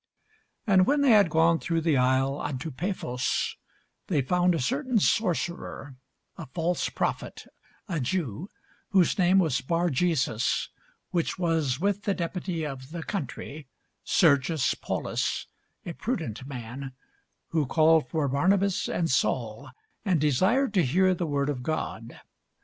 [Sidenote: The Acts 14] And when they had gone through the isle unto Paphos, they found a certain sorcerer, a false prophet, a Jew, whose name was Bar jesus: which was with the deputy of the country, Sergius Paulus, a prudent man; who called for Barnabas and Saul, and desired to hear the word of God.